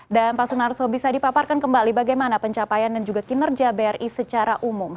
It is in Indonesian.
dan pak sunarso bisa dipaparkan kembali bagaimana pencapaian dan juga kinerja bri secara umum